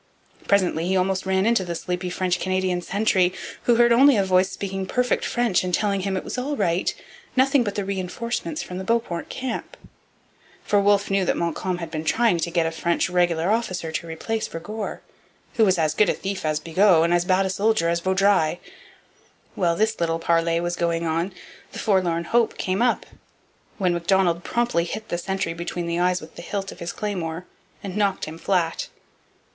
Presently he almost ran into the sleepy French Canadian sentry, who heard only a voice speaking perfect French and telling him it was all right nothing but the reinforcements from the Beauport camp; for Wolfe knew that Montcalm had been trying to get a French regular officer to replace Vergor, who was as good a thief as Bigot and as bad a soldier as Vaudreuil. While this little parley was going on the 'Forlorn Hope' came up; when Macdonald promptly hit the sentry between the eyes with the hilt of his claymore and knocked him flat.